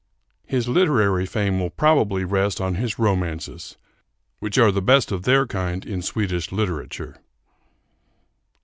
His literary fame will probably rest on his romances, which are the best of their kind in Swedish literature.